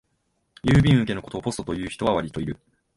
郵便受けのことをポストと呼ぶ人はわりといる